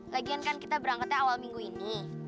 lagian kan kita berangkatnya awal minggu ini